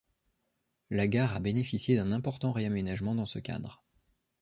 La gare a bénéficié d'un important réaménagement dans ce cadre.